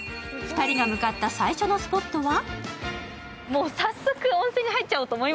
２人が向かった最初のスポットは？